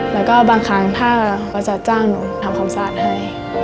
แล้วก็บางครั้งถ้าเขาจะจ้างหนูทำความสะอาดให้